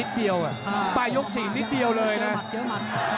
ปลายก๔นิดเดียวเลยนะ